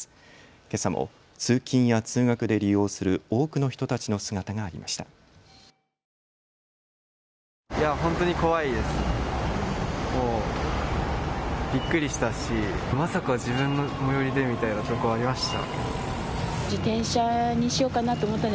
けさも通勤や通学で利用する多くの人たちの姿がありました。